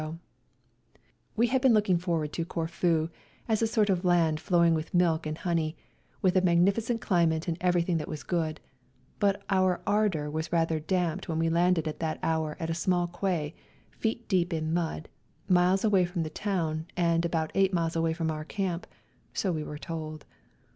204 WE GO TO CORFU We had been looking forward to Corfu as a sort of land flowing with milk and honey, with a magnificent climate and everything that was good, but our ardour was rather damped when we landed at that hour at a small quay, feet deep in mud, miles away from the town, and about 8 miles away from our camp, so we were told.